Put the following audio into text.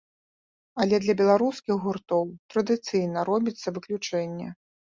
Але для беларускіх гуртоў традыцыйна робіцца выключэнне.